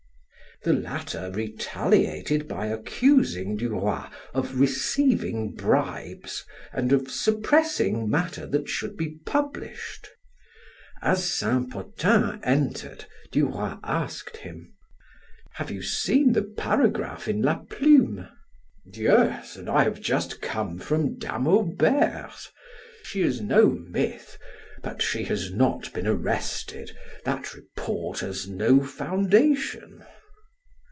The latter retaliated by accusing Duroy of receiving bribes and of suppressing matter that should be published. As Saint Potin entered, Duroy asked him: "Have you seen the paragraph in 'La Plume'?" "Yes, and I have just come from Dame Aubert's; she is no myth, but she has not been arrested; that report has no foundation."